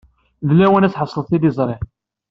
D lawan ad tḥebseḍ tiliẓri.